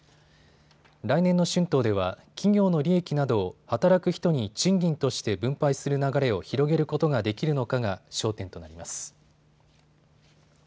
来年の春闘では企業の利益などを働く人に賃金として分配する流れを広げることができるのかが焦点となります。